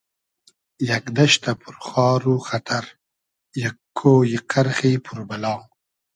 یئگ دئشتۂ پور خار و خئتئر یئگ کۉیی قئرخی پور بئلا